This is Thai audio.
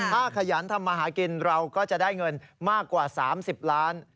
ถ้าขยันทำมาหากินเราก็จะได้เงินมากกว่า๓๐ล้าน